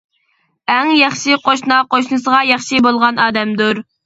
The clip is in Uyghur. ئەڭ ياخشى قوشنا قوشنىسىغا ياخشى بولغان ئادەمدۇر.